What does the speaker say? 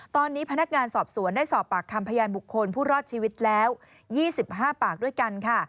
ตอนนี้พนักงานสอบสวนได้สอบปากคำพยานบุคคลผู้รอดชีวิตแล้ว๒๕ปากด้วยกันค่ะ